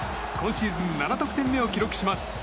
今シーズン７得点目を記録します。